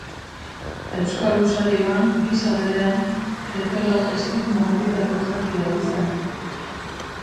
Euskal usarioan, gisa berean, eperra estimu haunditako jakia ohi zen.